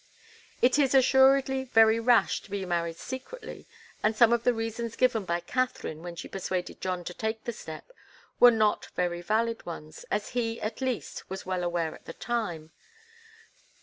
It is assuredly very rash to be married secretly, and some of the reasons given by Katharine when she persuaded John to take the step were not very valid ones, as he, at least, was well aware at the time.